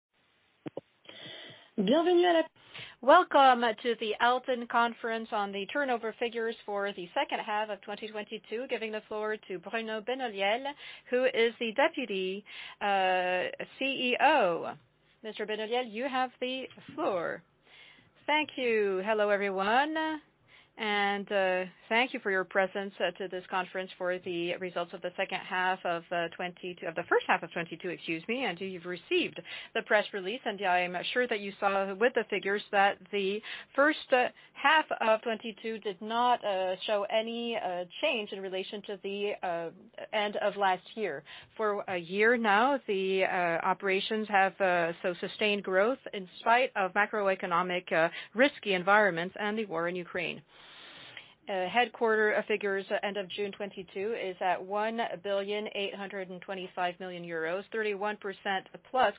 Welcome to the Alten conference on the turnover figures for the second half of 2022. Giving the floor to Bruno Benoliel, who is the Deputy CEO. Mr. Benoliel, you have the floor. Thank you. Hello, everyone, Headquarters figures end of June 2022 is at 1.825 billion, 31%+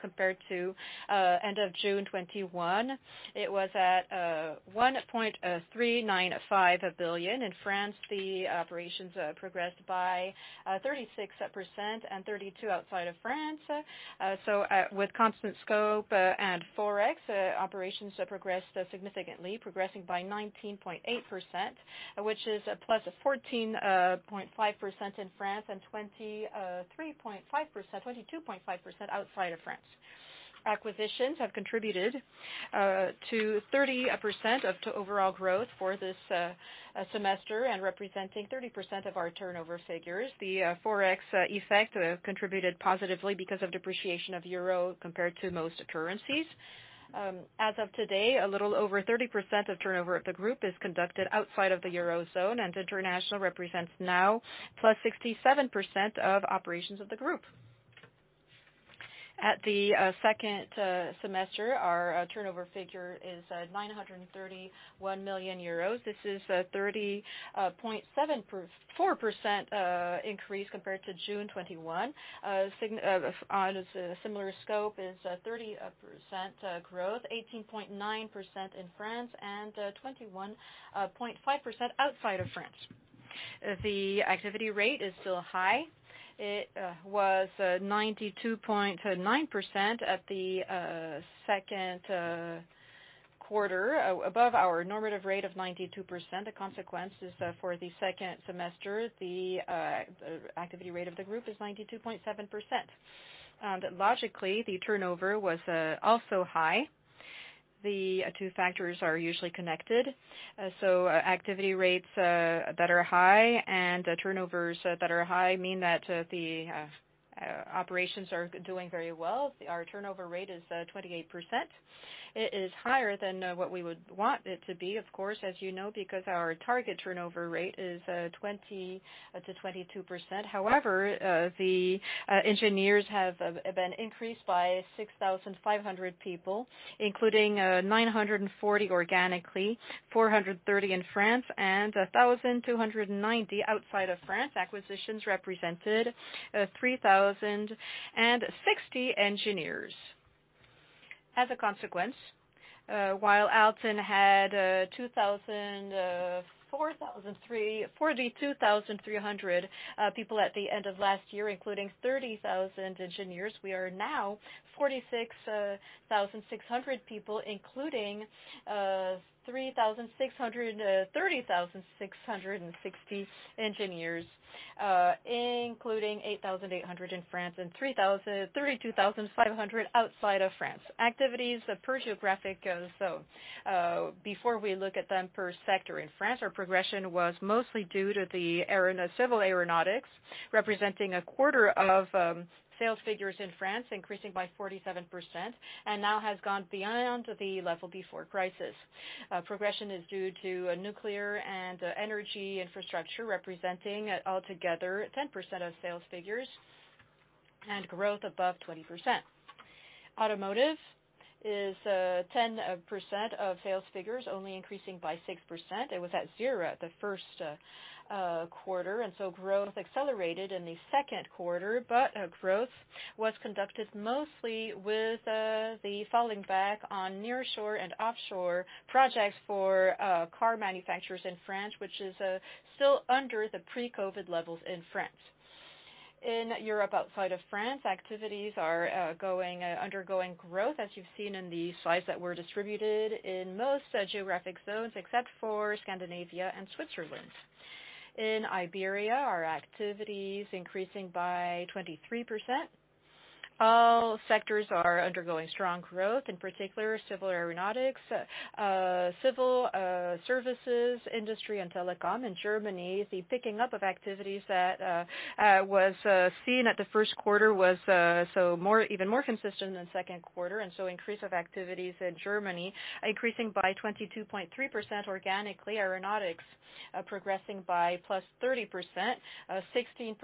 compared to end of June 2021. It was at 1.395 billion. In France, the operations progressed by 36% and 32% outside of France. With constant scope and forex, operations progressed significantly, progressing by 19.8%, which is a plus of 14.5% in France and 22.5% outside of France. Acquisitions have contributed to 30% of overall growth for this semester and representing 30% of our turnover figures. The forex effect contributed positively because of depreciation of euro compared to most currencies. As of today, a little over 30% of turnover of the group is conducted outside of the Eurozone, and international represents now +67% of operations of the group. At the second semester, our turnover figure is 931 million euros. This is a 30.74% increase compared to June 2021. On a similar scope is 30% growth, 18.9% in France and 21.5% outside of France. The activity rate is still high. It was 92.9% at the second quarter, above our normative rate of 92%. The consequence is, for the second semester, the activity rate of the group is 92.7%. Logically, the turnover was also high. The two factors are usually connected. Activity rates that are high and turnovers that are high mean that the operations are doing very well. Our turnover rate is 28%. It is higher than what we would want it to be, of course, as you know, because our target turnover rate is 20%-22%. However, the engineers have been increased by 6,500 people, including 940 organically, 430 in France, and 1,290 outside of France. Acquisitions represented 3,060 engineers. As a consequence, while Alten had 2,000, 4,000 three... 42,300 people at the end of last year, including 30,000 engineers. We are now 46,600 people, including 30,660 engineers, including 8,800 in France and 32,500 outside of France. Activities per geographic zone. Before we look at them per sector in France, our progression was mostly due to civil aeronautics, representing a quarter of sales figures in France, increasing by 47%, and now has gone beyond the level before crisis. Progression is due to nuclear and energy infrastructure, representing altogether 10% of sales figures and growth above 20%. Automotive is 10% of sales figures, only increasing by 6%. It was at zero the first quarter, and so growth accelerated in the second quarter. Growth was conducted mostly with the falling back on nearshore and offshore projects for car manufacturers in France, which is still under the pre-COVID levels in France. In Europe, outside of France, activities are undergoing growth, as you've seen in the slides that were distributed in most geographic zones, except for Scandinavia and Switzerland. In Iberia, our activity's increasing by 23%. All sectors are undergoing strong growth, in particular civil aeronautics, civil services, industry and telecom. In Germany, the picking up of activities that was seen at the first quarter was even more consistent than second quarter, and so increase of activities in Germany, increasing by 22.3% organically. Aeronautics progressing by +30%, 16%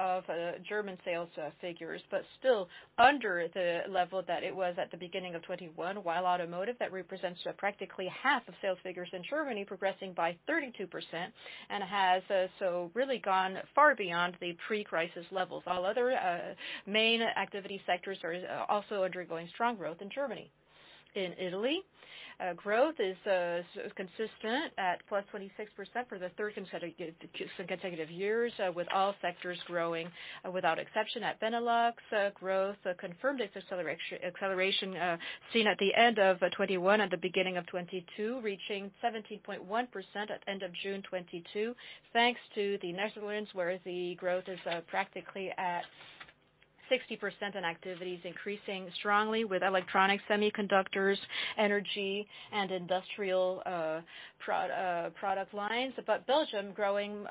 of German sales figures, but still under the level that it was at the beginning of 2021. While automotive, that represents practically half of sales figures in Germany, progressing by 32% and has so really gone far beyond the pre-crisis levels. All other main activity sectors are also undergoing strong growth in Germany. In Italy, growth is sort of consistent at +26% for the third consecutive years, with all sectors growing without exception. In Benelux, growth confirmed its acceleration seen at the end of 2021, at the beginning of 2022, reaching 17.1% at end of June 2022, thanks to the Netherlands, where the growth is practically at 60%, and activity is increasing strongly with electronic semiconductors, energy and industrial product lines. Belgium growing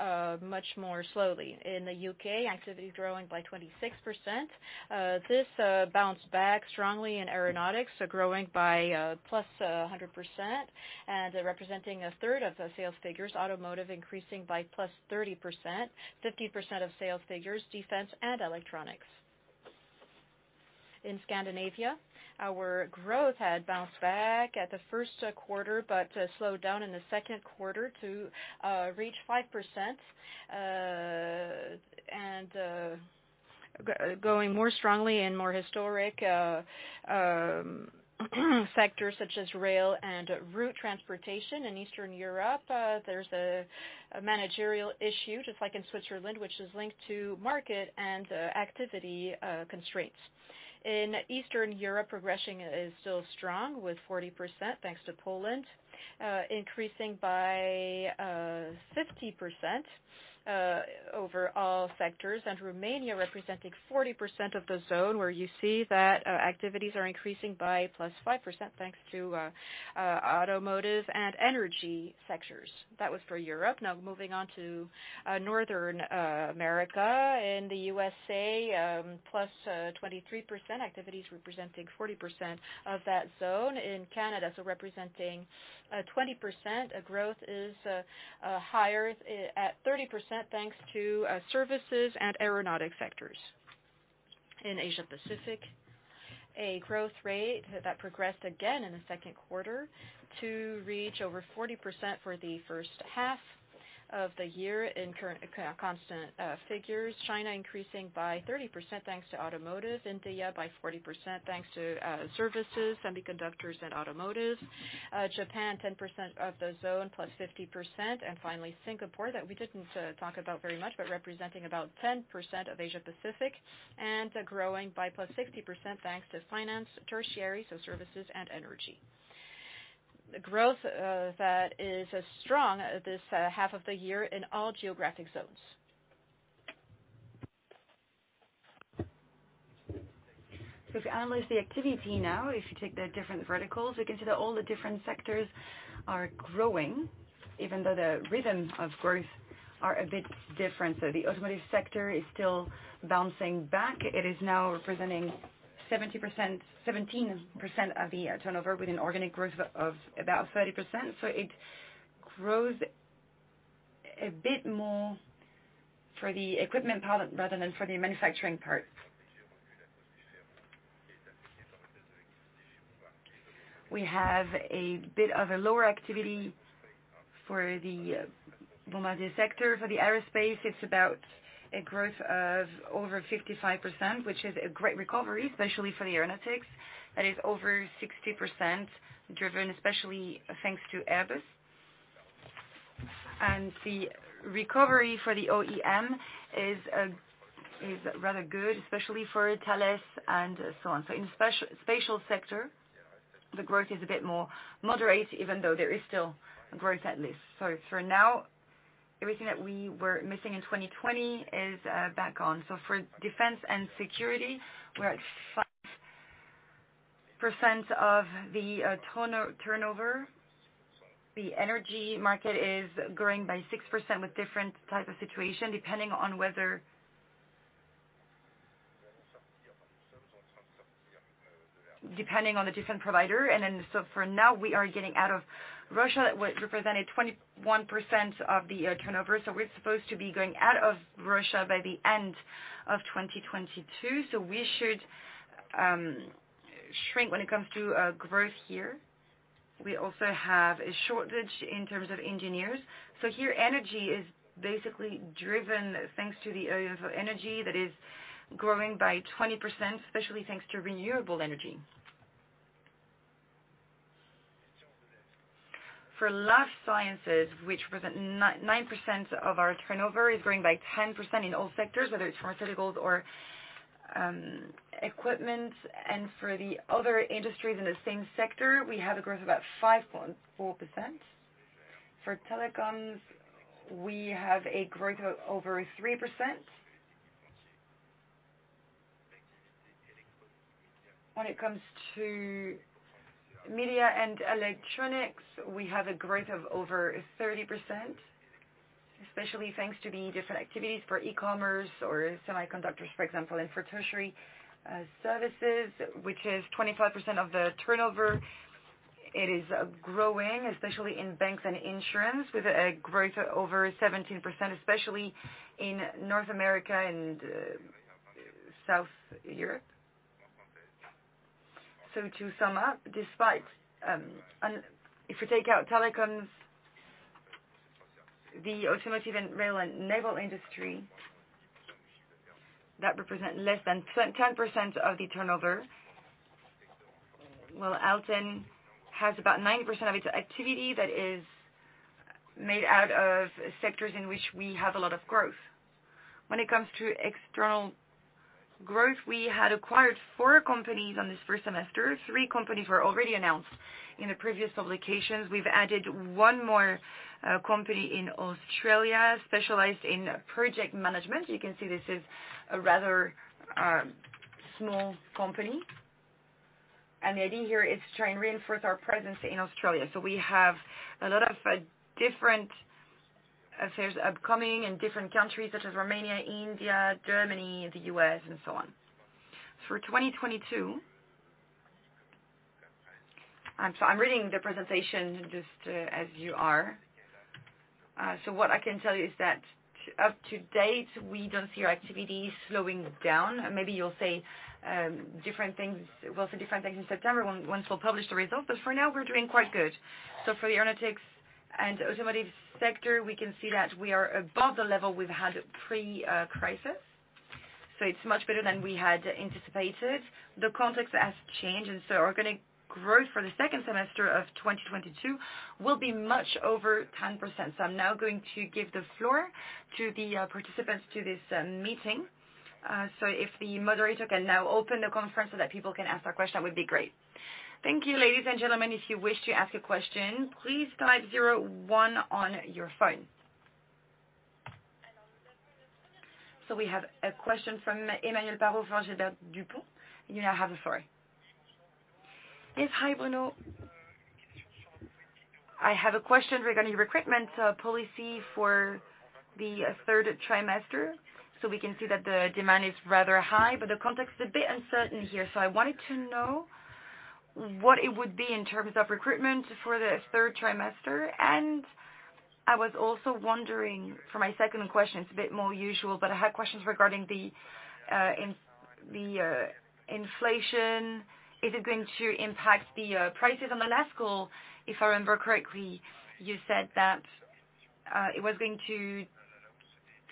much more slowly. In the U.K., activity growing by 26%. This bounced back strongly in aeronautics, growing by +100% and representing a third of the sales figures, automotive increasing by +30%, 50% of sales figures, defense and electronics. In Scandinavia, our growth had bounced back in the first quarter, but slowed down in the second quarter to reach 5%, going more strongly in more historic sectors such as rail and road transportation. In Eastern Europe, there's a margin issue, just like in Switzerland, which is linked to market and activity constraints. In Eastern Europe, progression is still strong, with 40% thanks to Poland increasing by 50% over all sectors, and Romania representing 40% of the zone, where you see that activities are increasing by +5%, thanks to automotive and energy sectors. That was for Europe. Now moving on to North America. In the USA, +23% activities representing 40% of that zone. In Canada, so representing 20% growth is higher at 30%, thanks to services and aeronautics sectors. In Asia-Pacific, a growth rate that progressed again in the second quarter to reach over 40% for the first half of the year in current constant figures. China increasing by 30%, thanks to automotive. India by 40%, thanks to services, semiconductors and automotive. Japan, 10% of the zone, +50%. Finally, Singapore, that we didn't talk about very much, but representing about 10% of Asia-Pacific and growing by +60%, thanks to finance, tertiary, so services and energy. Growth that is as strong this half of the year in all geographic zones. If you analyze the activity now, if you take the different verticals, we can see that all the different sectors are growing, even though the rhythm of growth are a bit different. The automotive sector is still bouncing back. It is now representing 17% of the turnover with an organic growth of about 30%. It grows a bit more for the equipment part rather than for the manufacturing part. We have a bit of a lower activity for the Bombardier sector. For the aerospace, it's about a growth of over 55%, which is a great recovery, especially for the aeronautics. That is over 60%, driven especially thanks to Airbus. The recovery for the OEM is rather good, especially for Thales and so on. In spatial sector, the growth is a bit more moderate, even though there is still growth at least. For now, everything that we were missing in 2020 is back on. For defense and security, we're at 5% of the turnover. The energy market is growing by 6% with different type of situation, depending on the different provider. For now, we are getting out of Russia, which represented 21% of the turnover. We're supposed to be going out of Russia by the end of 2022, so we should shrink when it comes to growth here. We also have a shortage in terms of engineers. Here, energy is basically driven thanks to the area of energy that is growing by 20%, especially thanks to renewable energy. For life sciences, which represents 9% of our turnover, is growing by 10% in all sectors, whether it's pharmaceuticals or equipment. For the other industries in the same sector, we have a growth of about 5.4%. For telecoms, we have a growth over 3%. When it comes to media and electronics, we have a growth of over 30%, especially thanks to the different activities for e-commerce or semiconductors, for example. For tertiary services, which is 25% of the turnover, it is growing, especially in banks and insurance, with a growth over 17%, especially in North America and South Europe. To sum up, despite. If we take out telecoms The automotive and rail and naval industry that represent less than 10% of the turnover. While Alten has about 90% of its activity that is made out of sectors in which we have a lot of growth. When it comes to external growth, we had acquired four companies on this first semester. Three companies were already announced in the previous publications. We've added one more company in Australia, specialized in project management. You can see this is a rather small company, and the idea here is to try and reinforce our presence in Australia. We have a lot of different affairs upcoming in different countries such as Romania, India, Germany, the U.S., and so on. For 2022, I'm sorry, I'm reading the presentation just as you are. What I can tell you is that up to date, we don't see our activity slowing down. Maybe you'll say different things. We'll say different things in September once we'll publish the results, but for now, we're doing quite good. For the aeronautics and automotive sector, we can see that we are above the level we've had pre-crisis, so it's much better than we had anticipated. The context has changed. Organic growth for the second semester of 2022 will be much over 10%. I'm now going to give the floor to the participants to this meeting. If the moderator can now open the conference so that people can ask their question, that would be great. Thank you, ladies and gentlemen. If you wish to ask a question, please type zero one on your phone. We have a question from Emmanuel Parot, Gilbert Dupont. You now have the floor. Yes. Hi, Bruno. I have a question regarding recruitment policy for the third quarter. We can see that the demand is rather high, but the context is a bit uncertain here. I wanted to know what it would be in terms of recruitment for the third quarter. I was also wondering for my second question. It's a bit more usual, but I had questions regarding the inflation. Is it going to impact the prices on the last call? If I remember correctly, you said that it was going to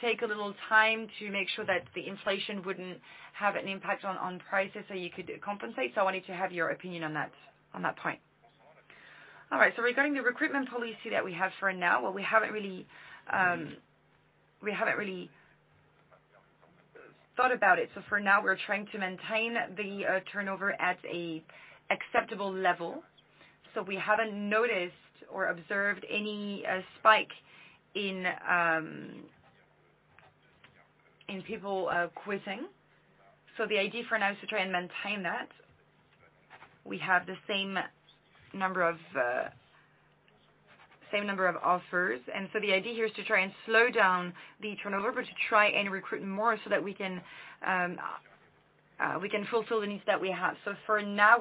take a little time to make sure that the inflation wouldn't have an impact on prices, so you could compensate. I wanted to have your opinion on that point. All right. Regarding the recruitment policy that we have for now, well, we haven't really thought about it. For now, we're trying to maintain the turnover at an acceptable level. We haven't noticed or observed any spike in people quitting. The idea for now is to try and maintain that. We have the same number of offers, and the idea here is to try and slow down the turnover, but to try and recruit more so that we can fulfill the needs that we have. For now,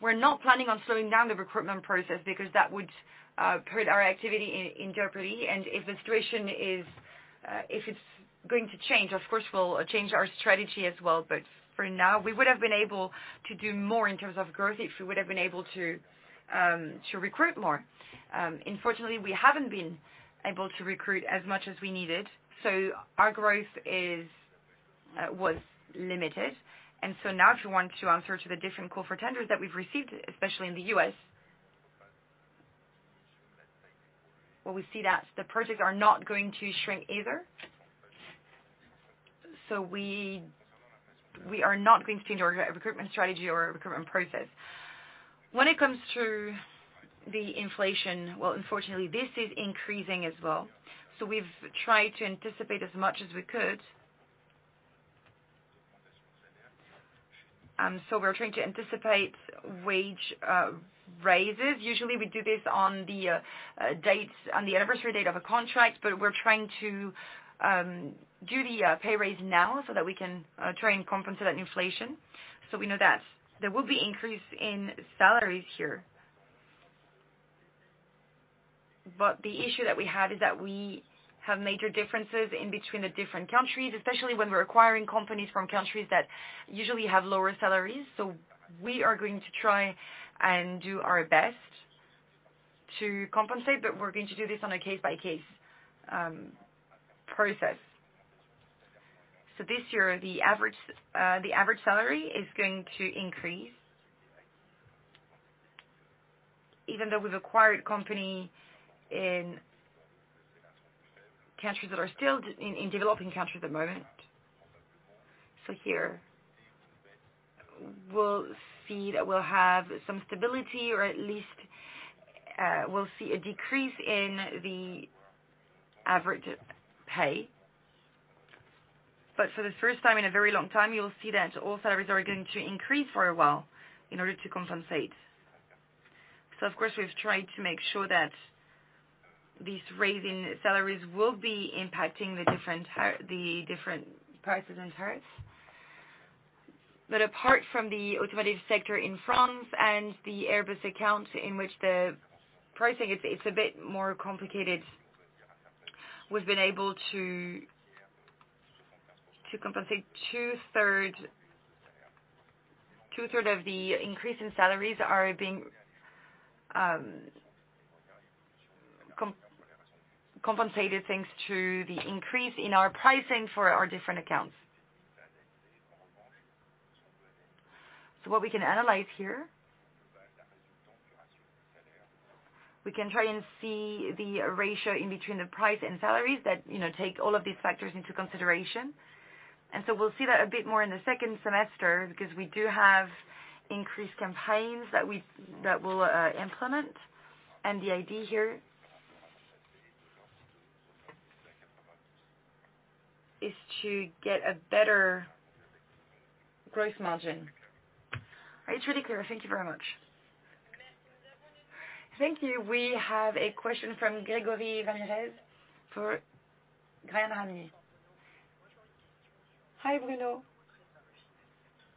we're not planning on slowing down the recruitment process because that would hurt our activity in Germany. If it's going to change, of course, we'll change our strategy as well. For now, we would have been able to do more in terms of growth if we would have been able to recruit more. Unfortunately, we haven't been able to recruit as much as we needed, so our growth was limited. Now if you want to answer to the different call for tenders that we've received, especially in the U.S., well, we see that the projects are not going to shrink either. We are not going to change our recruitment strategy or recruitment process. When it comes to the inflation, well, unfortunately, this is increasing as well. We've tried to anticipate as much as we could. We're trying to anticipate wage raises. Usually, we do this on the dates, on the anniversary date of a contract, but we're trying to do the pay raise now so that we can try and compensate that inflation. We know that there will be increase in salaries here. The issue that we have is that we have major differences in between the different countries, especially when we're acquiring companies from countries that usually have lower salaries. We are going to try and do our best to compensate, but we're going to do this on a case-by-case process. This year, the average salary is going to increase. Even though we've acquired company in countries that are still developing countries at the moment. Here we'll see that we'll have some stability, or at least, we'll see a decrease in the average pay. For the first time in a very long time, you will see that all salaries are going to increase for a while in order to compensate. Of course, we've tried to make sure that this raise in salaries will be impacting the different prices and hours. Apart from the automotive sector in France and the Airbus account in which the pricing is, it's a bit more complicated. We've been able to compensate two thirds of the increase in salaries thanks to the increase in our pricing for our different accounts. What we can analyze here, we can try and see the ratio in between the price and salaries that, you know, take all of these factors into consideration. We'll see that a bit more in the second semester because we do have increased campaigns that we'll implement. The idea here is to get a better gross margin. It's really clear. Thank you very much. Thank you. We have a question from Gregory Ramirez for Bryan, Garnier. Hi, Bruno.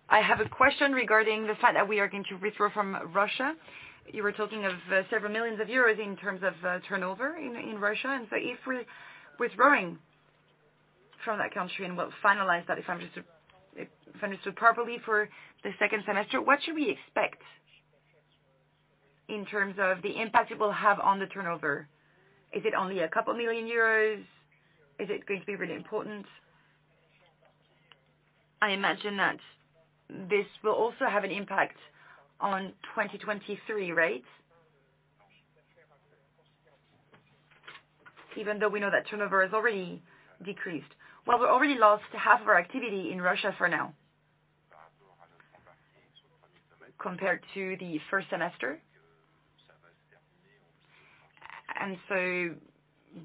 I have a question regarding the fact that we are going to withdraw from Russia. You were talking of several million EUR in terms of turnover in Russia. If we're withdrawing from that country and we'll finalize that, if I understood properly, for the second semester, what should we expect in terms of the impact it will have on the turnover? Is it only a couple million EUR? Is it going to be really important? I imagine that this will also have an impact on 2023, right? Even though we know that turnover has already decreased. Well, we already lost half of our activity in Russia for now, compared to the first semester.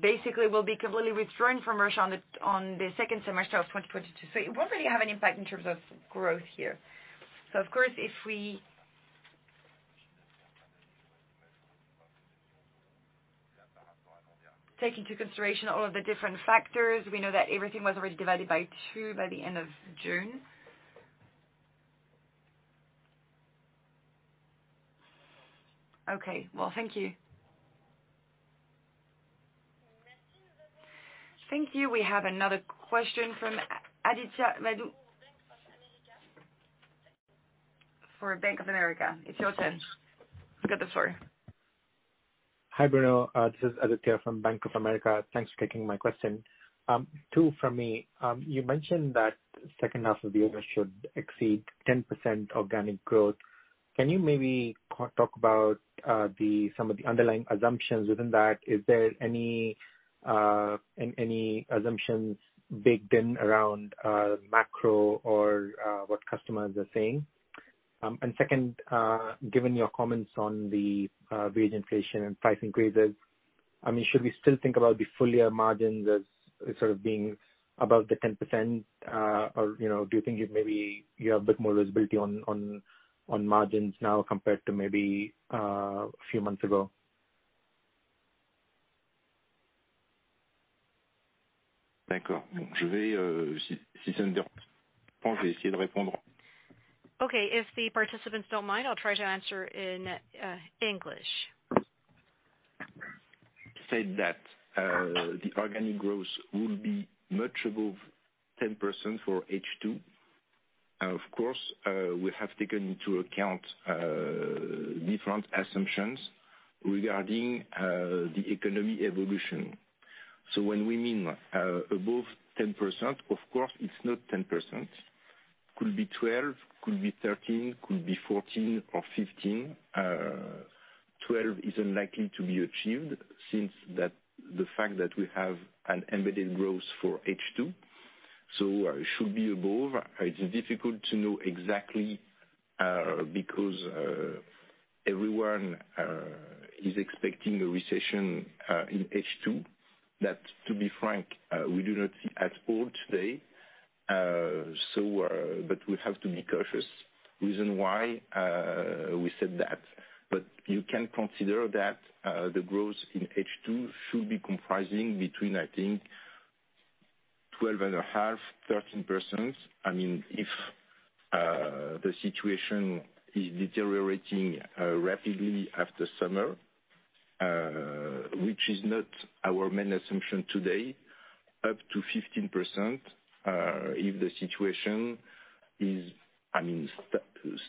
Basically we'll be completely withdrawing from Russia on the, on the second semester of 2022. It won't really have an impact in terms of growth here. Of course, if we take into consideration all of the different factors, we know that everything was already divided by two by the end of June. Okay. Well, thank you. Thank you. We have another question from Aditya Bhave for Bank of America. It's your turn. Go ahead, sir. Hi, Bruno Benoliel. This is Aditya Bhave from Bank of America. Thanks for taking my question. Two from me. You mentioned that second half of the year should exceed 10% organic growth. Can you maybe talk about some of the underlying assumptions within that? Is there any assumptions baked in around macro or what customers are saying? And second, given your comments on the wage inflation and price increases, I mean, should we still think about the full year margins as sort of being above the 10%? Or, you know, do you think you have a bit more visibility on margins now compared to maybe a few months ago? Okay. If the participants don't mind, I'll try to answer in English. Say that the organic growth will be much above 10% for H2. Of course, we have taken into account different assumptions regarding the economy evolution. When we mean above 10%, of course, it's not 10%. Could be 12%, could be 13%, could be 14% or 15%. 12% is unlikely to be achieved since the fact that we have an embedded growth for H2, so it should be above. It's difficult to know exactly because everyone is expecting a recession in H2. That, to be frank, we do not see at all today. But we have to be cautious. Reason why we said that, but you can consider that the growth in H2 should be comprising between, I think, 12.5% and 13%. I mean, if the situation is deteriorating rapidly after summer, which is not our main assumption today, up to 15%, if the situation is, I mean,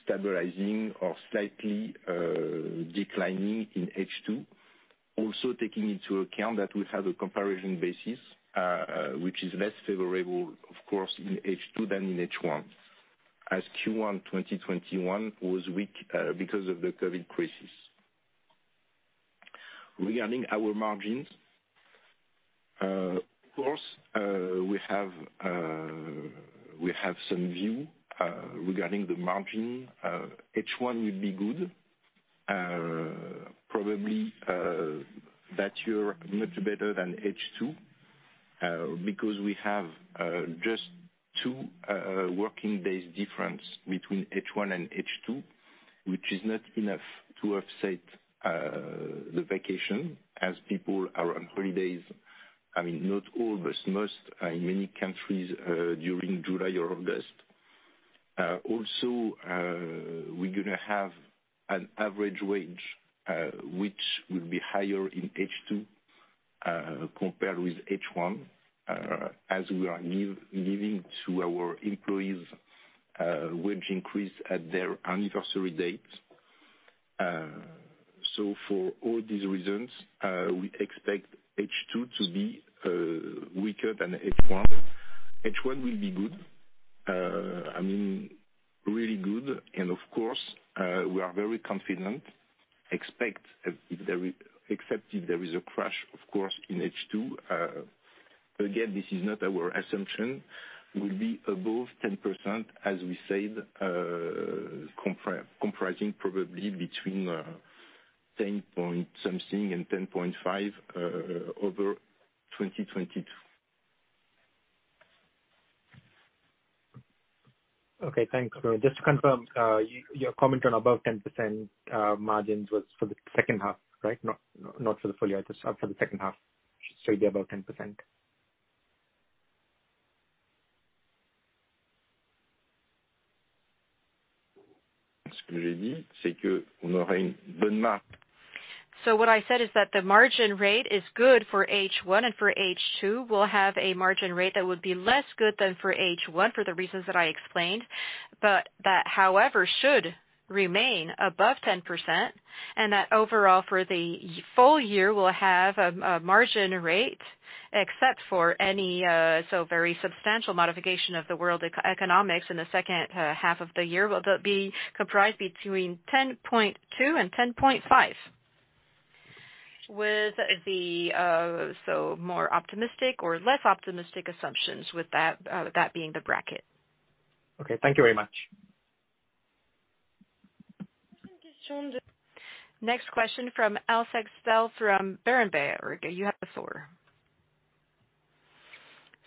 stabilizing or slightly declining in H2. Also taking into account that we have a comparison basis, which is less favorable, of course, in H2 than in H1, as Q1 2021 was weak because of the COVID crisis. Regarding our margins, of course, we have some view regarding the margin. H1 will be good, probably, that year much better than H2, because we have just two working day difference between H1 and H2, which is not enough to offset the vacation as people are on holidays. I mean, not all, but most in many countries, during July or August. Also, we're gonna have an average wage, which will be higher in H2, compared with H1, as we are giving to our employees, wage increase at their anniversary date. For all these reasons, we expect H2 to be weaker than H1. H1 will be good, I mean, really good. Of course, we are very confident, except if there is a crash, of course, in H2. But again, this is not our assumption, we'll be above 10% as we said, comprising probably between 10-point-something and 10.5%, over 2022. Okay, thanks. Just to confirm, your comment on above 10% margins was for the second half, right? Not for the full year, just for the second half should still be above 10%. What I said is that the margin rate is good for H1 and for H2, we'll have a margin rate that would be less good than for H1 for the reasons that I explained. But that, however, should remain above 10%, and that overall for the full year, we'll have a margin rate except for any so very substantial modification of the world economics in the second half of the year, will be comprised between 10.2% and 10.5%. With the more optimistic or less optimistic assumptions, with that being the bracket. Okay, thank you very much. Next question from Elsa Benussi from Berenberg. You have the floor.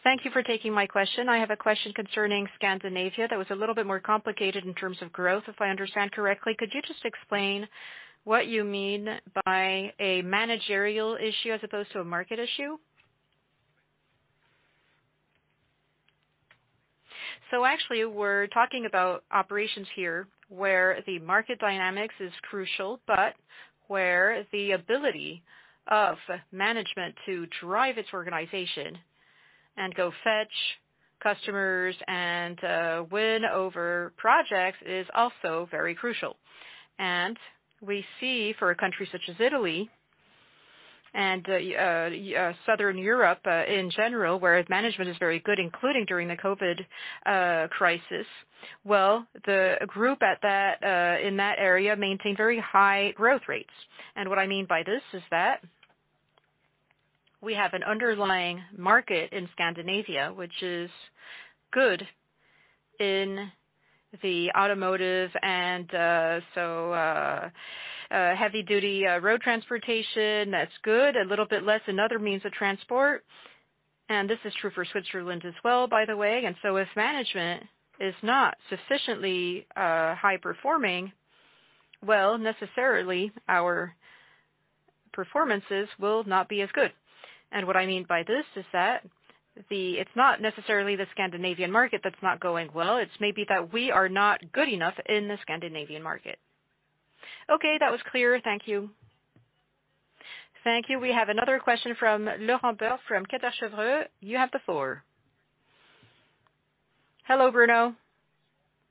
Thank you for taking my question. I have a question concerning Scandinavia that was a little bit more complicated in terms of growth, if I understand correctly. Could you just explain what you mean by a managerial issue as opposed to a market issue? Actually, we're talking about operations here, where the market dynamics is crucial, but where the ability of management to drive its organization and go fetch customers and win over projects is also very crucial. We see for a country such as Italy and Southern Europe in general, where management is very good, including during the COVID crisis. Well, the group in that area maintained very high growth rates. What I mean by this is that we have an underlying market in Scandinavia which is good in the automotive and heavy-duty road transportation, that's good, a little bit less in other means of transport. This is true for Switzerland as well, by the way. If management is not sufficiently high performing, well, necessarily our performances will not be as good. What I mean by this is that it's not necessarily the Scandinavian market that's not going well, it's maybe that we are not good enough in the Scandinavian market. Okay, that was clear. Thank you. Thank you. We have another question from Laurent Daure from Kepler Cheuvreux. You have the floor. Hello, Bruno.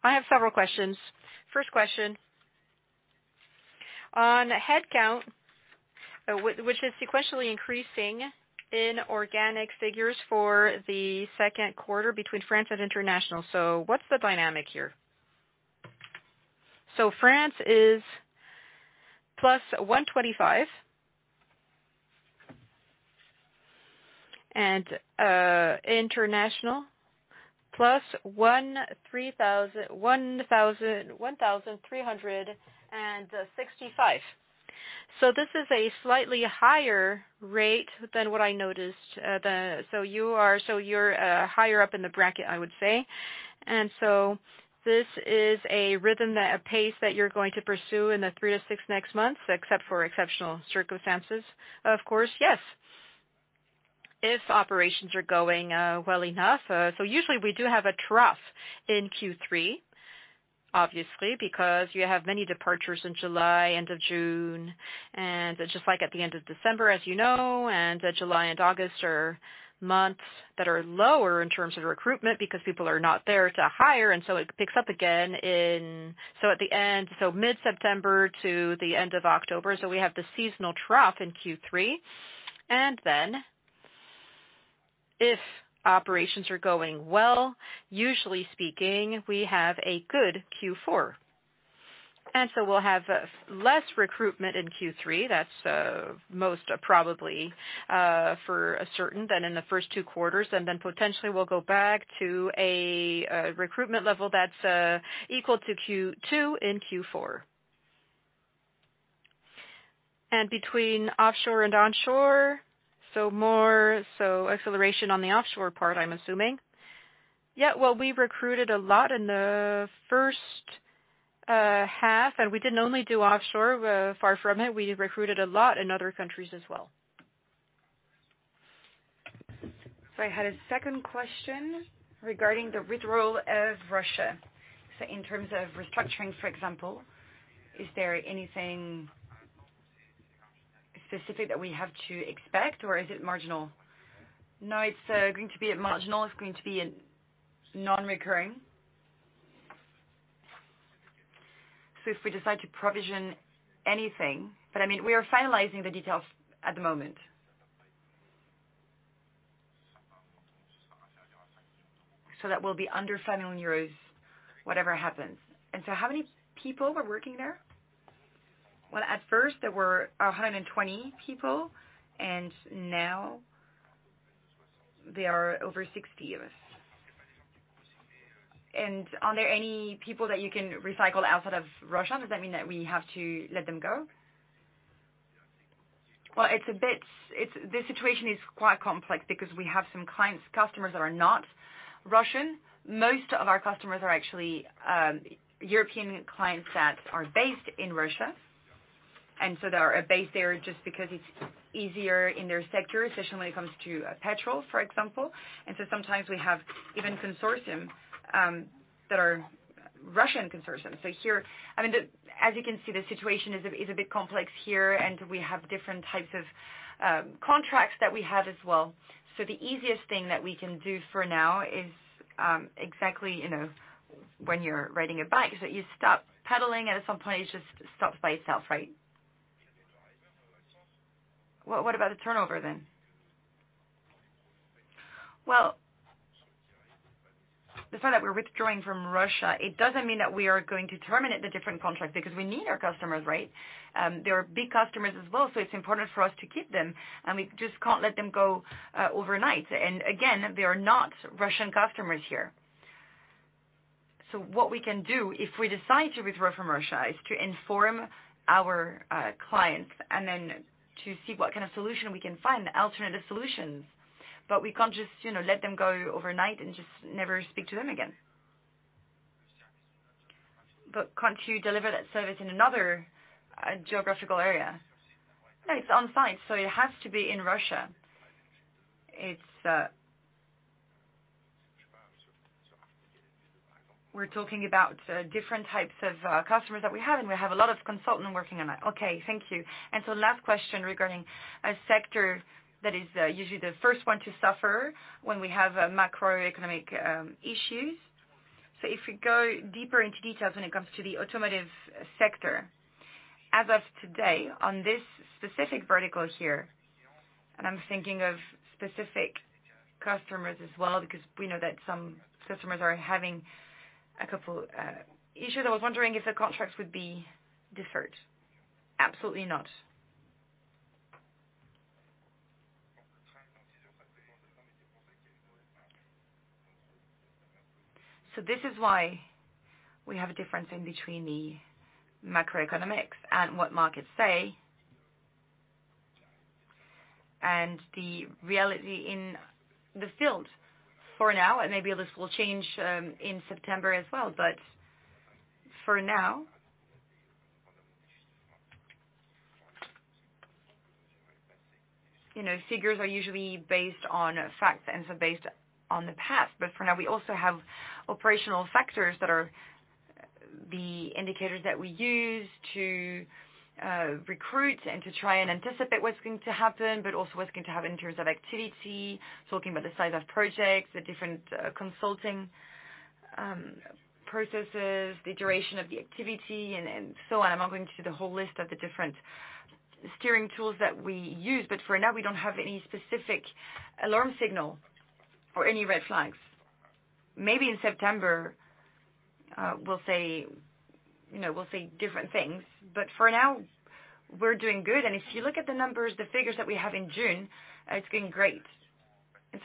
I have several questions. First question, on headcount, which is sequentially increasing in organic figures for the second quarter between France and international. What's the dynamic here? France is +125, and international +1,365. This is a slightly higher rate than what I noticed. You're higher up in the bracket, I would say. This is a pace that you're going to pursue in the three to six next months, except for exceptional circumstances? Of course, yes. If operations are going well enough. Usually we do have a trough in Q3, obviously, because you have many departures in July, end of June, and it's just like at the end of December, as you know, and July and August are months that are lower in terms of recruitment because people are not there to hire, and so it picks up again in mid-September to the end of October. We have the seasonal trough in Q3. If operations are going well, usually speaking, we have a good Q4. We'll have less recruitment in Q3. That's most probably for certain than in the first two quarters. Potentially we'll go back to a recruitment level that's equal to Q2 and Q4. Between offshore and onshore, so more acceleration on the offshore part, I'm assuming. Yeah. Well, we recruited a lot in the first half, and we didn't only do offshore, far from it. We recruited a lot in other countries as well. I had a second question regarding the withdrawal from Russia. In terms of restructuring, for example, is there anything specific that we have to expect or is it marginal? No, it's going to be a marginal. It's going to be a non-recurring. If we decide to provision anything, but I mean, we are finalizing the details at the moment. That will be under 50 million euros, whatever happens. How many people were working there? Well, at first there were 120 people, and now there are over 60 of us. Are there any people that you can recycle outside of Russia? Does that mean that we have to let them go? Well, it's a bit. The situation is quite complex because we have some clients, customers that are not Russian. Most of our customers are actually European clients that are based in Russia. They are based there just because it's easier in their sector, especially when it comes to petrol, for example. Sometimes we have even consortiums that are Russian consortiums. Here, I mean, as you can see, the situation is a bit complex here, and we have different types of contracts that we have as well. The easiest thing that we can do for now is exactly, you know, when you're riding a bike, so you stop pedaling, and at some point it just stops by itself, right? Well, what about the turnover then? Well, the fact that we're withdrawing from Russia, it doesn't mean that we are going to terminate the different contracts because we need our customers, right? There are big customers as well, so it's important for us to keep them, and we just can't let them go overnight. Again, they are not Russian customers here. What we can do, if we decide to withdraw from Russia, is to inform our clients and then to see what kind of solution we can find, alternative solutions. We can't just, you know, let them go overnight and just never speak to them again. Can't you deliver that service in another geographical area? No, it's on site, so it has to be in Russia. We're talking about different types of customers that we have, and we have a lot of consultants working on that. Okay, thank you. Last question regarding a sector that is usually the first one to suffer when we have macroeconomic issues. If we go deeper into details when it comes to the automotive sector, as of today, on this specific vertical here, and I'm thinking of specific customers as well, because we know that some customers are having a couple issues. I was wondering if the contracts would be deferred. Absolutely not. This is why we have a difference in between the macroeconomics and what markets say and the reality in the field for now, and maybe this will change in September as well. For now, you know, figures are usually based on facts and so based on the past. For now, we also have operational factors that are the indicators that we use to recruit and to try and anticipate what's going to happen, but also what's going to happen in terms of activity. Talking about the size of projects, the different consulting processes, the duration of the activity, and so on. I'm not going through the whole list of the different steering tools that we use, but for now, we don't have any specific alarm signal or any red flags. Maybe in September we'll say, you know, we'll say different things, but for now we're doing good. If you look at the numbers, the figures that we have in June, it's going great.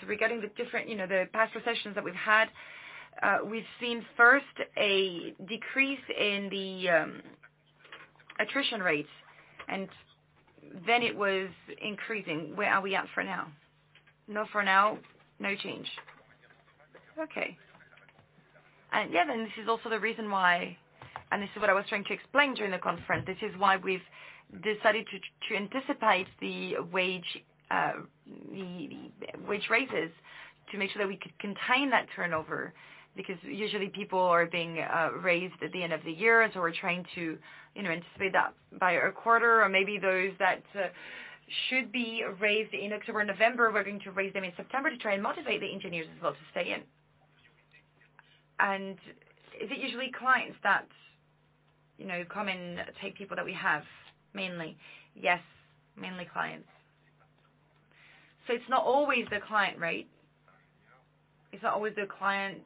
Regarding the different, you know, the past recessions that we've had, we've seen first a decrease in the attrition rate, and then it was increasing. Where are we at for now? No, for now, no change. Okay. Yeah, this is also the reason why, and this is what I was trying to explain during the conference. This is why we've decided to anticipate the wage raises to make sure that we could contain that turnover. Because usually people are being raised at the end of the year. We're trying to, you know, anticipate that by a quarter or maybe those that should be raised in October, November; we're going to raise them in September to try and motivate the engineers as well to stay in. Is it usually clients that, you know, come and take people that we have mainly? Yes, mainly clients. It's not always the client, right? It's not always the client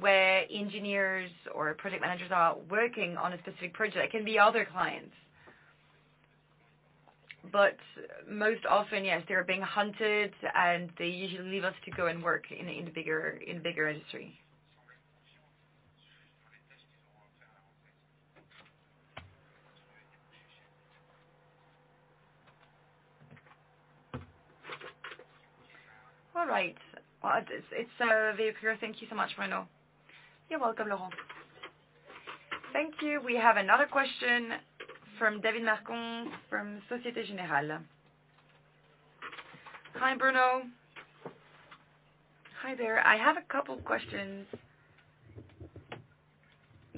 where engineers or project managers are working on a specific project. It can be other clients. But most often, yes, they're being hunted, and they usually leave us to go and work in the bigger industry. All right. Well, it's very clear. Thank you so much, Bruno. You're welcome, Laurent. Thank you. We have another question from Derric Marcon, from Société Générale. Hi, Bruno. Hi there. I have a couple questions.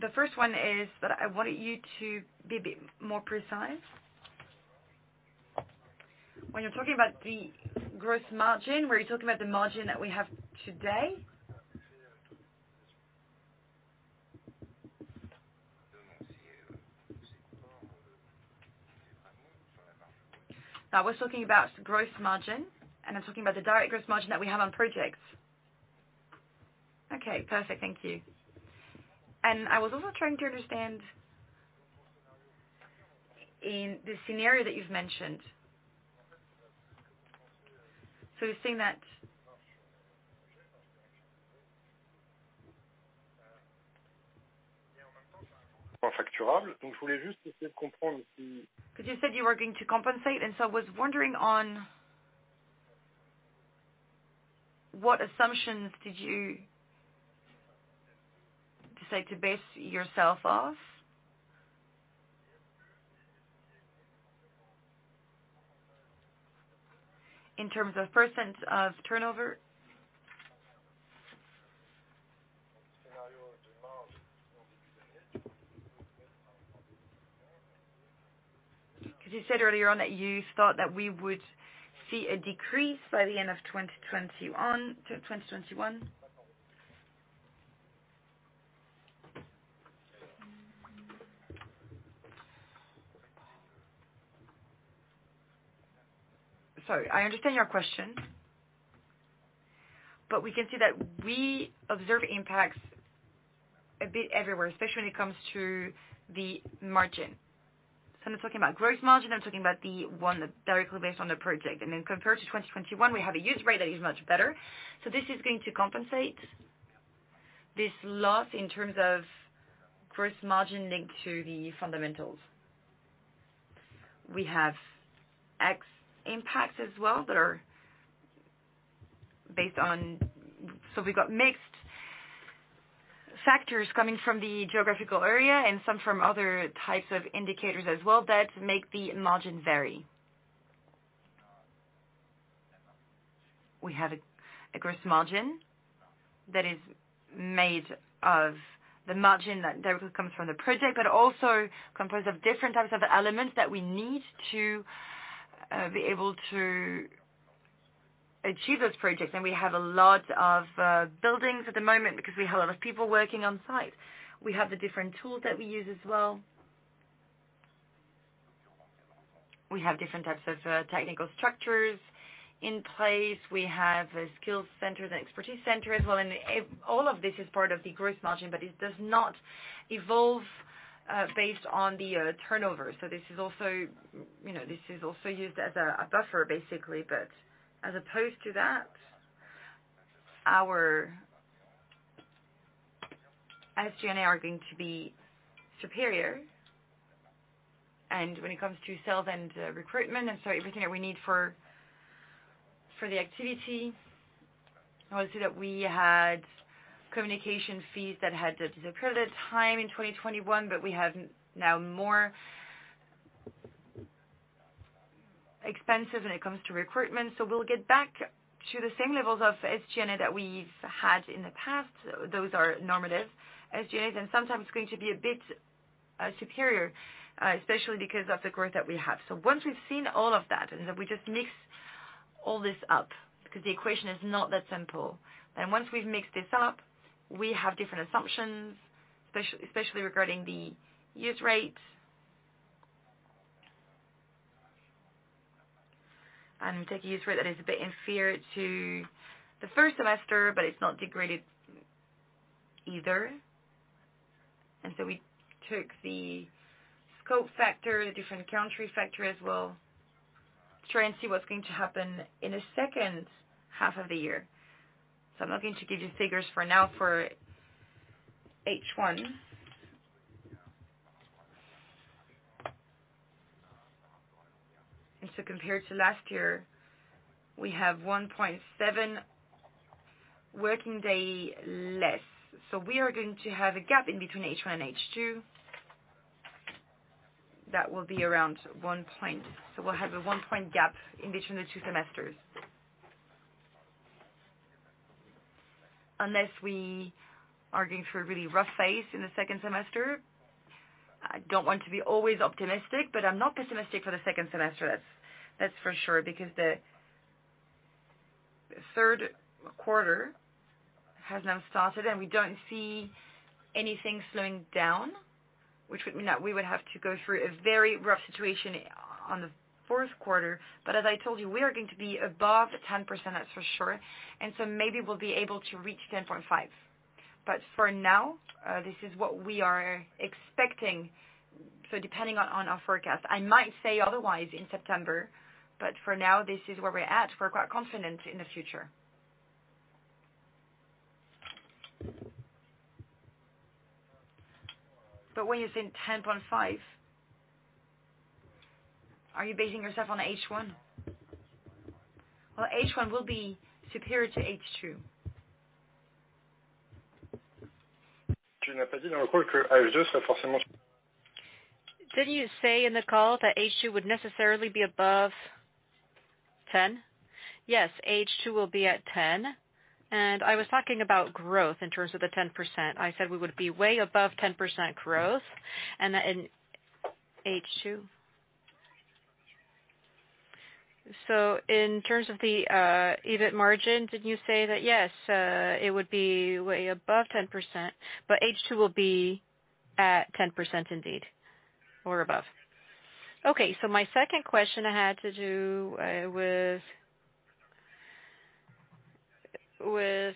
The first one is that I wanted you to be a bit more precise. When you're talking about the gross margin, were you talking about the margin that we have today? I was talking about gross margin, and I'm talking about the direct gross margin that we have on projects. Okay, perfect. Thank you. I was also trying to understand, in the scenario that you've mentioned. You're saying that. 'Cause you said you were going to compensate, and so I was wondering on what assumptions did you decide to base yourself off. In terms of percent of turnover. 'Cause you said earlier on that you thought that we would see a decrease by the end of 2020, 2021. Sorry. I understand your question, but we can see that we observe impacts a bit everywhere, especially when it comes to the margin. I'm talking about gross margin, I'm talking about the one that directly based on the project. Compared to 2021, we have a use rate that is much better, so this is going to compensate this loss in terms of gross margin linked to the fundamentals. We have FX impacts as well that are based on. We've got mixed factors coming from the geographical area and some from other types of indicators as well that make the margin vary. We have a gross margin that is made of the margin that directly comes from the project, but also composed of different types of elements that we need to be able to achieve those projects. We have a lot of billings at the moment because we have a lot of people working on site. We have the different tools that we use as well. We have different types of technical structures in place. We have a skills center and expertise center as well. All of this is part of the gross margin, but it does not evolve based on the turnover. This is also, you know, this is also used as a buffer basically. As opposed to that, our SG&A are going to be superior. When it comes to sales and recruitment, and so everything that we need for the activity, I would say that we had communication fees that had to decline over time in 2021, but we have now more expenses when it comes to recruitment. We'll get back to the same levels of SG&A that we've had in the past. Those are normative SG&As, and sometimes it's going to be a bit superior, especially because of the growth that we have. Once we've seen all of that, and we just mix all this up, because the equation is not that simple. Once we've mixed this up, we have different assumptions, especially regarding the use rate. Take a use rate that is a bit inferior to the first semester, but it's not degraded either. We took the scope factor, the different country factor as well, try and see what's going to happen in the second half of the year. I'm not going to give you figures for now for H1. Compared to last year, we have 1.7 working day less. We are going to have a gap in between H1 and H2 that will be around one point. We'll have a one-point gap in between the two semesters. Unless we are going through a really rough phase in the second semester. I don't want to be always optimistic, but I'm not pessimistic for the second semester. That's for sure, because the third quarter has now started and we don't see anything slowing down, which would mean that we would have to go through a very rough situation on the fourth quarter. As I told you, we are going to be above 10%, that's for sure. Maybe we'll be able to reach 10.5%. For now, this is what we are expecting. Depending on our forecast, I might say otherwise in September, but for now this is where we're at. We're quite confident in the future. When you say 10.5%. Are you basing yourself on H1? Well, H1 will be superior to H2. Didn't you say in the call that H2 would necessarily be above 10%? Yes, H2 will be at 10%. I was talking about growth in terms of the 10%. I said we would be way above 10% growth and that in H2. In terms of the EBIT margin, did you say that? Yes, it would be way above 10%, but H2 will be at 10% indeed or above. Okay, my second question had to do with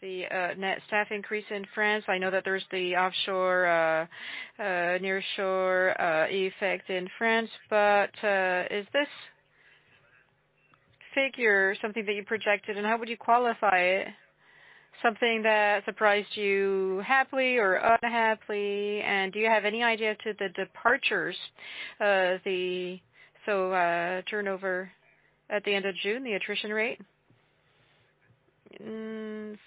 the net staff increase in France. I know that there's the offshore nearshore effect in France. But is this figure something that you projected, and how would you qualify something that surprised you happily or unhappily? Do you have any idea about the departures, the turnover at the end of June, the attrition rate?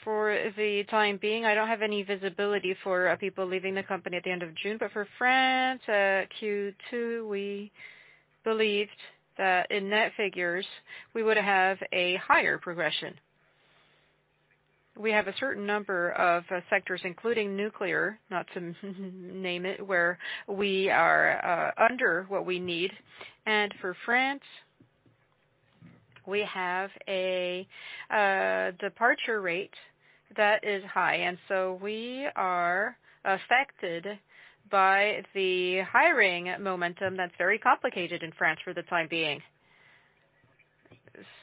For the time being, I don't have any visibility for people leaving the company at the end of June, but for France, Q2, we believed that in net figures we would have a higher progression. We have a certain number of sectors, including nuclear, not to name it, where we are under what we need. For France, we have a departure rate that is high, and so we are affected by the hiring momentum that's very complicated in France for the time being.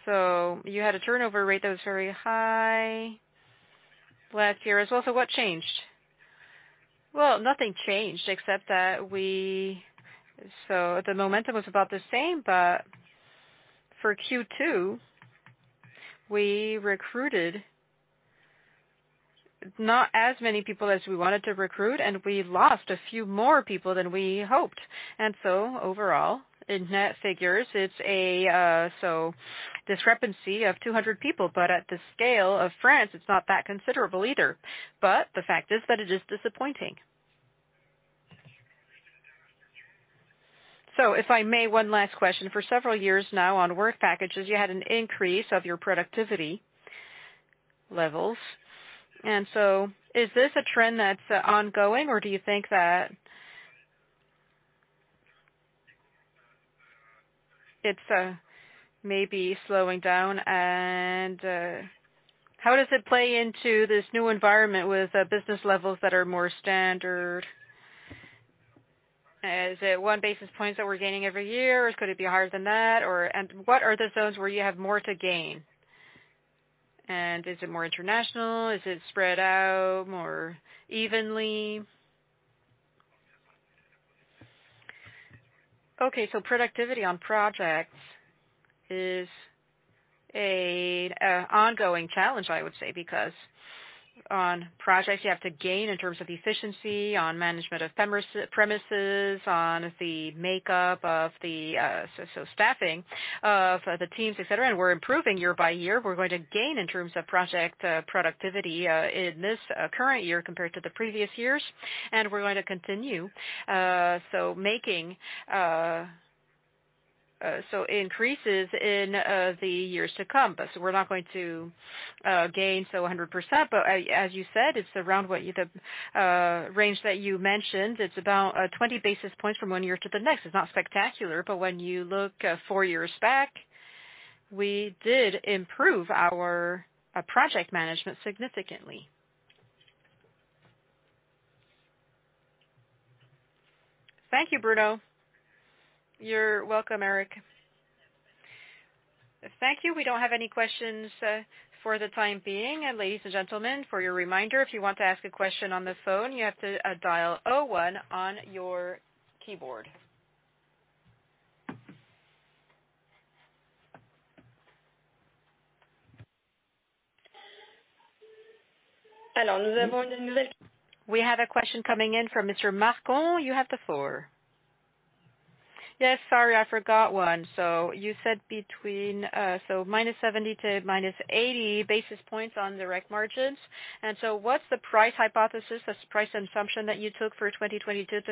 You had a turnover rate that was very high last year as well. What changed? Well, nothing changed except that we... The momentum was about the same, but for Q2, we recruited not as many people as we wanted to recruit, and we lost a few more people than we hoped. Overall, in net figures, it's a discrepancy of 200 people, but at the scale of France, it's not that considerable either. The fact is that it is disappointing. If I may, one last question. For several years now on work packages, you had an increase of your productivity levels, and so is this a trend that's ongoing or do you think that it's maybe slowing down? How does it play into this new environment with business levels that are more standard? Is it one basis points that we're gaining every year, or could it be higher than that? What are the zones where you have more to gain? Is it more international? Is it spread out more evenly? Productivity on projects is an ongoing challenge, I would say, because on projects you have to gain in terms of efficiency, on management of premises, on the makeup of the staffing of the teams, et cetera. We're improving year by year. We're going to gain in terms of project productivity in this current year compared to the previous years. We're going to continue making increases in the years to come. But we're not going to gain so 100%. But as you said, it's around the range that you mentioned. It's about 20 basis points from one year to the next. It's not spectacular, but when you look four years back, we did improve our project management significantly. Thank you, Bruno. You're welcome, Derric. Thank you. We don't have any questions for the time being. Ladies and gentlemen, for your reminder, if you want to ask a question on the phone, you have to dial zero one on your keyboard. Hello. We have a question coming in from Mr. Marcon. You have the floor. Yes, sorry, I forgot one. You said between -70 to -80 basis points on direct margins. What's the price hypothesis, that's price assumption that you took for 2022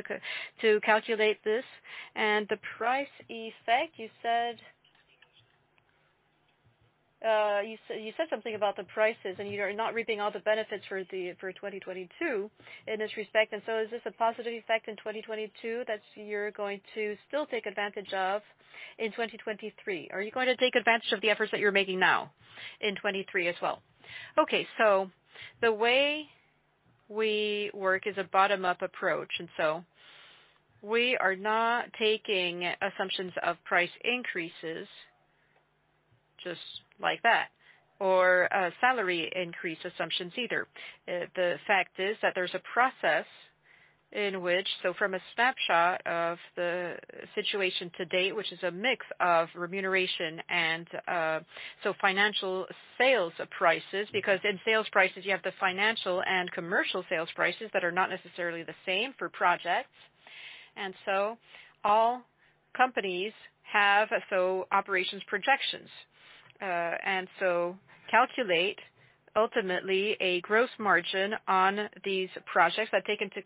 to calculate this? The price effect, you said something about the prices, and you're not reaping all the benefits for 2022 in this respect. Is this a positive effect in 2022 that you're going to still take advantage of in 2023? Are you going to take advantage of the efforts that you're making now in 2023 as well? Okay, the way we work is a bottom-up approach, and we are not taking assumptions of price increases just like that or salary increase assumptions either. The fact is that there's a process in which from a snapshot of the situation to date, which is a mix of remuneration and financial sales prices, because in sales prices you have the financial and commercial sales prices that are not necessarily the same for projects. All companies have operations projections, and calculate ultimately a gross margin on these projects that take into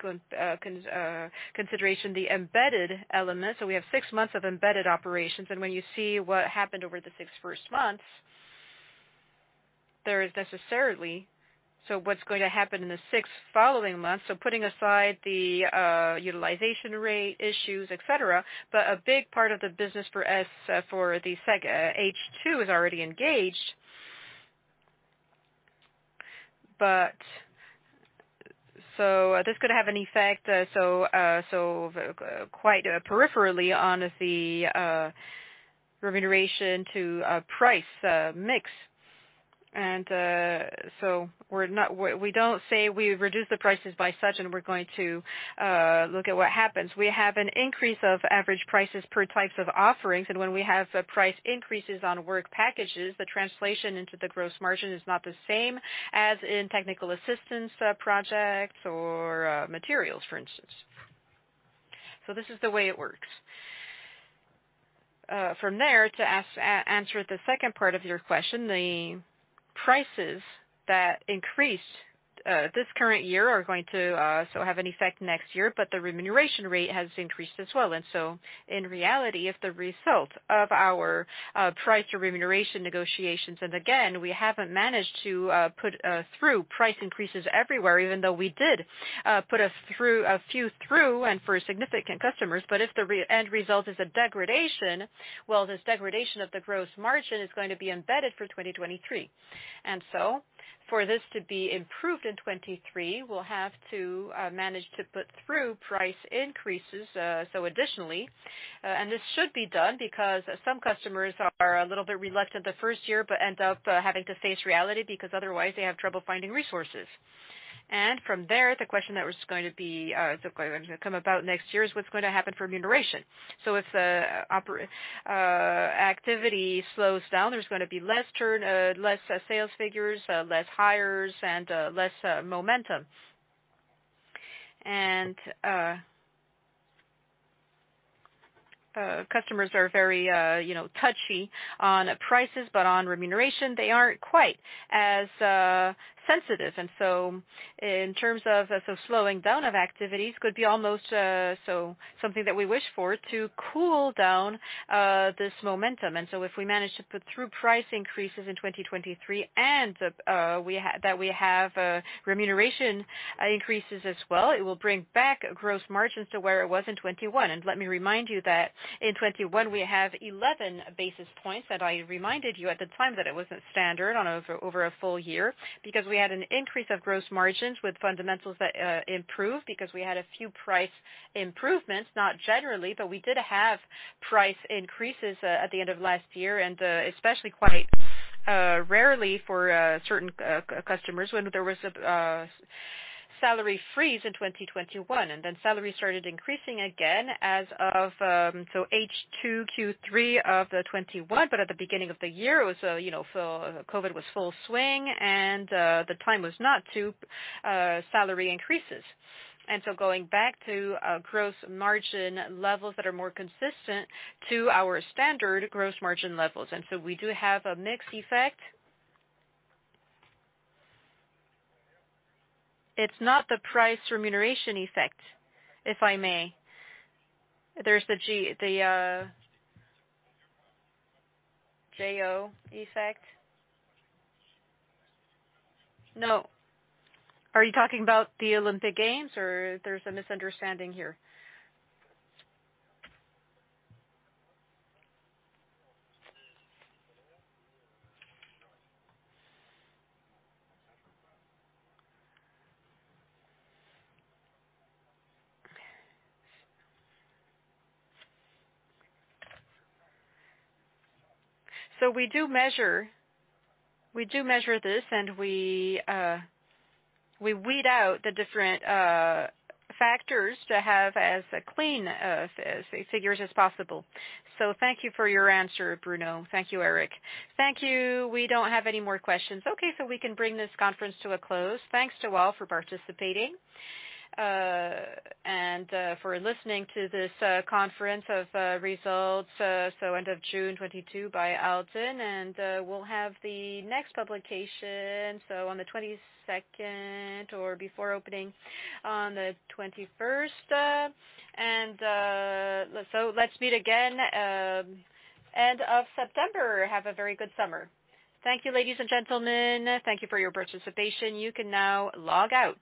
consideration the embedded elements. We have six months of embedded operations. When you see what happened over the first 6 months, there is necessarily what's going to happen in the six following months. Putting aside the utilization rate issues, et cetera. A big part of the business for H2 is already engaged. This could have an effect quite peripherally on the remuneration to price mix. We don't say we reduce the prices by such, and we're going to look at what happens. We have an increase of average prices per types of offerings, and when we have price increases on work packages, the translation into the gross margin is not the same as in technical assistance projects or materials, for instance. This is the way it works. From there, to answer the second part of your question, the prices that increase this current year are going to have an effect next year, but the remuneration rate has increased as well. In reality, if the result of our price or remuneration negotiations, and again, we haven't managed to put through price increases everywhere, even though we did put a few through and for significant customers. If the end result is a degradation, well, this degradation of the gross margin is going to be embedded for 2023. For this to be improved in 2023, we'll have to manage to put through price increases additionally. This should be done because some customers are a little bit reluctant the first year, but end up having to face reality because otherwise they have trouble finding resources. From there, the question that was going to be going to come about next year is what's going to happen for remuneration. If activity slows down, there's gonna be less sales figures, less hires and less momentum. Customers are very, you know, touchy on prices, but on remuneration, they aren't quite as sensitive. In terms of slowing down of activities could be almost so something that we wish for to cool down this momentum. If we manage to put through price increases in 2023, and we have remuneration increases as well, it will bring back gross margins to where it was in 2021. Let me remind you that in 2021 we have 11 basis points that I reminded you at the time that it wasn't standard over a full year, because we had an increase of gross margins with fundamentals that improved because we had a few price improvements. Not generally, but we did have price increases at the end of last year, and especially quite rarely for certain customers when there was a salary freeze in 2021. Then salaries started increasing again as of H2 Q3 of 2021. At the beginning of the year, it was, you know, COVID was in full swing and, the time was not for salary increases. Going back to gross margin levels that are more consistent to our standard gross margin levels, and so we do have a mix effect. It's not the price remuneration effect, if I may. There's the JO effect. No. Are you talking about the Olympic Games or there's a misunderstanding here? We do measure this, and we weed out the different factors to have as clean of figures as possible. Thank you for your answer, Bruno. Thank you, Derric. Thank you. We don't have any more questions. Okay, we can bring this conference to a close. Thanks to all for participating and for listening to this conference of results. End of June 2022 by Alten, and we'll have the next publication on the twenty-second or before opening on the twenty-first. Let's meet again end of September. Have a very good summer. Thank you, ladies and gentlemen. Thank you for your participation. You can now log out.